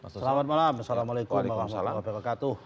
selamat malam assalamualaikum warahmatullahi wabarakatuh